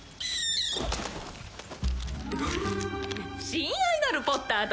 「親愛なるポッター殿」